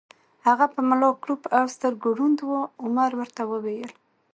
هغه په ملا کړوپ او سترګو ړوند و، عمر ورته وویل: